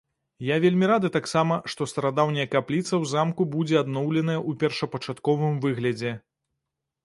Я вельмі рады таксама, што старадаўняя капліца ў замку будзе адноўленая ў першапачатковым выглядзе.